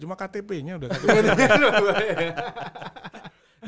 cuma ktp nya udah kebanggaan